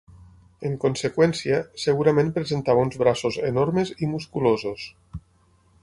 En conseqüència, segurament presentava uns braços enormes i musculosos.